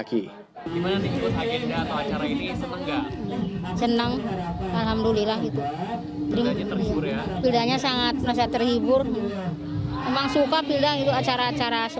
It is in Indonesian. kalau vilda sekarang sudah berada di mana